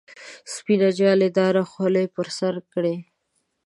سپینه جالۍ داره خولۍ پر سر کړي.